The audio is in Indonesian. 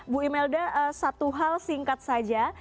bu imelda satu hal singkat saja